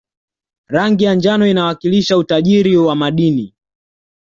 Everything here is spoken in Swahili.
rangi ya njano inawakilisha utajiri wa madini